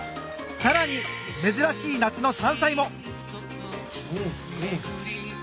さらに珍しい夏の山菜もうんうん。